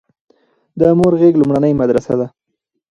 د مور غيږ لومړنۍ مدرسه ده